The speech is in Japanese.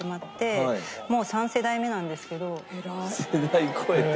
世代越えて。